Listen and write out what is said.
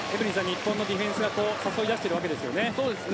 日本のディフェンスが誘い出しているわけですよね。